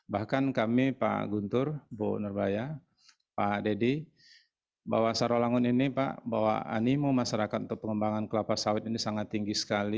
bahkan kami pak guntur bu nurbaya pak deddy bahwa sarawangun ini pak bahwa animo masyarakat untuk pengembangan kelapa sawit ini sangat tinggi sekali